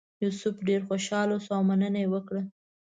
یوسف ډېر خوشاله شو او مننه یې وکړه.